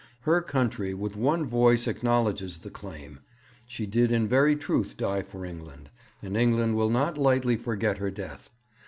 Her country with one voice acknowledges the claim. She did in very truth die for England, and England will not lightly forget her death.